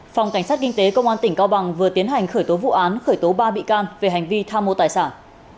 phòng cảnh sát kinh tế công an tỉnh cao bằng vừa tiến hành khởi tố vụ án khởi tố ba bị can về hành vi tham mô tài sản